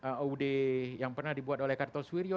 uud yang pernah dibuat oleh kartos wirjo